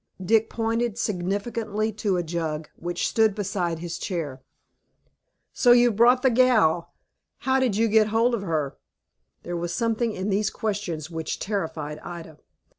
Dick pointed significantly to a jug, which stood beside his chair. "So you've brought the gal. How did you get hold of her?" There was something in these questions which terrified Ida.